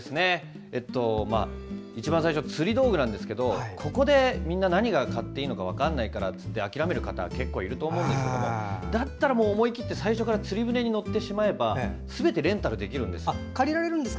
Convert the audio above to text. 一番最初釣り道具なんですがここで、みんな何を買っていいか分からないからといって諦める方が結構いると思うんですけどだったら、もう思い切って最初から釣り船に乗ってしまえばすべてレンタルできるんです。